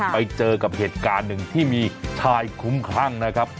ไปเจอกับเหตุการณ์หนึ่งที่มีชายคุ้มคลั่งนะครับ